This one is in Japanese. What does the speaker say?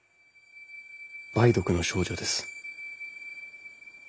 梅毒の症状です。